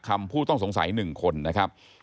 คำผู้ต้องสงสัย๑คนนะครับ